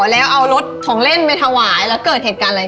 ให้พวงมาลัยให้ข้าว